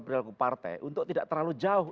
berlaku partai untuk tidak terlalu jauh